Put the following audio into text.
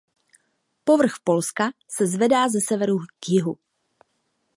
Povrch Polska se zvedá ze severu k jihu.